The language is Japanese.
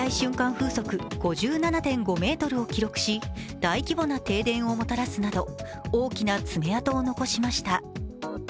風速５７．５メートルを記録し、大規模な停電をもたらすなど大きな爪痕を残しました。